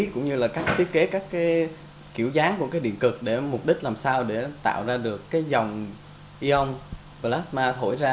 cũng như là các thiết kế các cái kiểu dáng của cái điện cực để mục đích làm sao để tạo ra được cái dòng ion plasma thổi ra